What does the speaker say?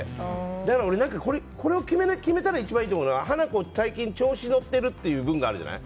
だから俺、これを決めたら一番いいと思うのは花子、最近調子乗ってるっていう文があるじゃない。